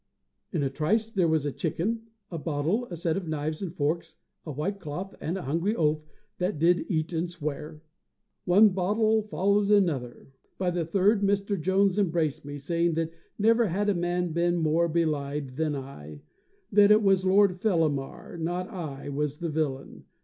In a trice there was a chicken, a bottle, a set of knives and forks, a white cloth, and a hungry oaf that did eat and swear! One bottle followed another. By the third Mr. Jones embraced me, saying that never had a man been more belied than I; that it was Lord Fellamar, not I, was the villain.